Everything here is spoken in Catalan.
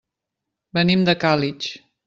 Venim de Càlig.